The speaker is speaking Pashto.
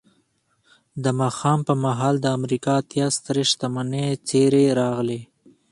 د ماښام پر مهال د امریکا اتیا سترې شتمنې څېرې راغلې